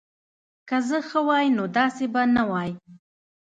که زه ښه وای نو داسی به نه وای